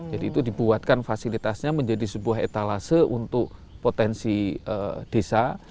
jadi itu dibuatkan fasilitasnya menjadi sebuah etalase untuk potensi desa